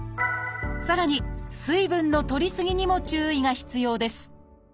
さらに水分のとりすぎにも注意が必要です